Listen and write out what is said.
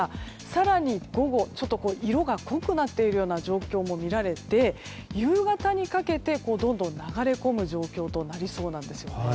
更に、午後はちょっと色が濃くなっているような状況もみられていて夕方にかけて、どんどんと流れ込む状況となりそうなんです。